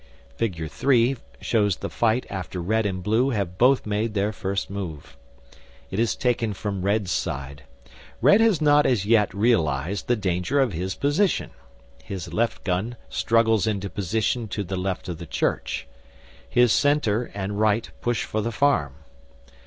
Figure 3 shows the fight after Red and Blue have both made their first move. It is taken from Red's side. Red has not as yet realised the danger of his position. His left gun struggles into position to the left of the church, his centre and right push for the farm.